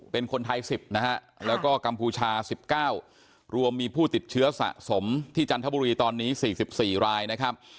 เป็นคนไทย๑๐นะฮะแล้วก็กัมพูชา๑๙รวมมีผู้ติดเชื้อสะสมที่จันทบุรีตอนนี้๔๔รายนะครับ